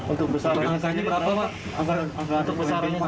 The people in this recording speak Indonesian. untuk besarnya berapa pak